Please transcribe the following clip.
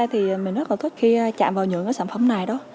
thì mình rất là thích khi chạm vào những cái sản phẩm này đó